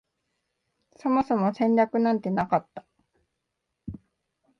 そもそも戦略なんてなかった